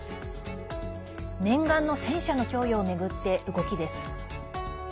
念願の戦車の供与を巡って動きです。